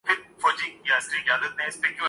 کیا میں آپ کے ساتھ چل سکتا ہوں؟